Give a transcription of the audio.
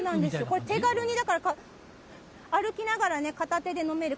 これ、手軽に、歩きながら片手で飲める。